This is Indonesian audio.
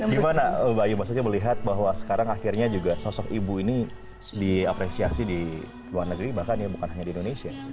gimana mbak ayu maksudnya melihat bahwa sekarang akhirnya juga sosok ibu ini diapresiasi di luar negeri bahkan ya bukan hanya di indonesia